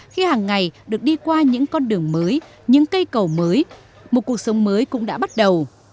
khi hàng ngày được đi qua những con đường mới những cây cầu mới một cuộc sống mới cũng đã bắt đầu